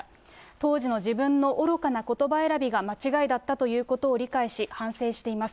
当時の自分の愚かなことば選びが間違いだったということを理解し、反省しています。